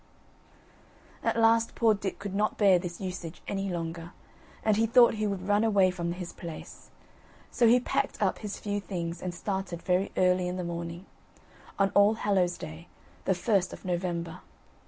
At last poor Dick could not bear this usage any longer, and he thought he would run away from his place; so he packed up his few things, and started very early in the morning, on All hallows Day, the first of November.